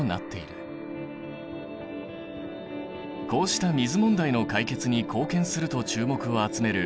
こうした水問題の解決に貢献すると注目を集める逆浸透膜。